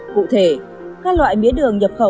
cụ thể các loại mía đường nhập khẩu